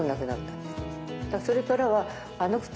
それからはうん！